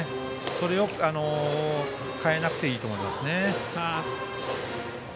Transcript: それを変えなくていいと思います。